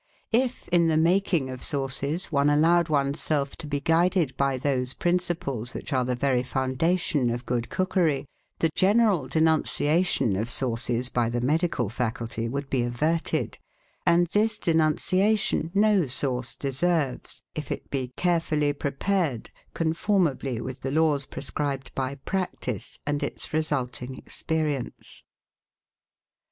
^ If, in the making of sauces, one allowed oneself to be guided by those principles which are the very foundation of good cookery, the general denunciation of sauces by the medical faculty would be averted ; and this denunciation no sauce de serves if it be carefully prepared, conformably with the laws pre scribed by practice and its resulting experience.